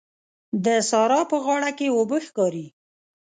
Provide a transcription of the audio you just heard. د سارا په غاړه کې اوبه ښکاري.